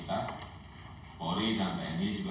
tindakan kapal patroli kerjasama operasi bersama sama